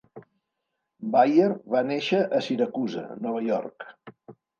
Bayer va néixer a Syracuse, Nova York.